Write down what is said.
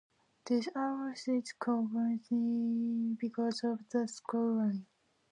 This aroused controversy because of the scoreline.